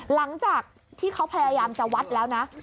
หลังจากที่เขาพยายามจะวัดแล้วนะ